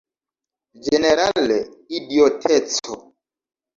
Ĝenerale, idioteco!